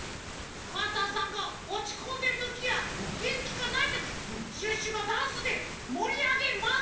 パンタンさんがおちこんでるときやげんきがないときシュッシュがダンスでもりあげます。